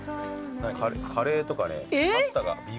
カレーとかねパスタが。